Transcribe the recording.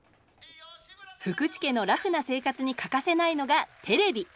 福池家のラフな生活に欠かせないのがテレビ。